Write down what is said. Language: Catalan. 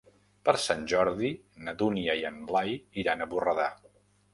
Per Sant Jordi na Dúnia i en Blai iran a Borredà.